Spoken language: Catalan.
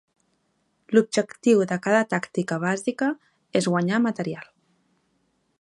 L"objectiu de cada tàctica bàsica es guanyar material.